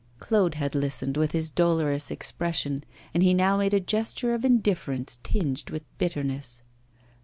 Claude had listened with his dolorous expression, and he now made a gesture of indifference tinged with bitterness.